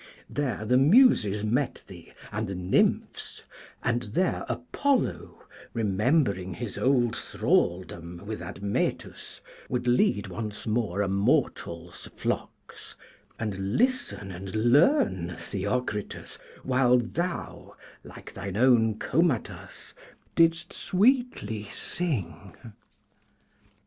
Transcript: There the Muses met thee, and the Nymphs, and there Apollo, remembering his old thraldom with Admetus, would lead once more a mortal's flocks, and listen and learn, Theocritus, while thou, like thine own Comatas, 'didst sweetly sing.'